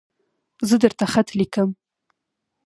زه درته خط لیکم